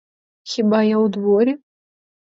Хіба я у дворі?